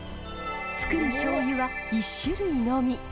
つくるしょうゆは１種類のみ。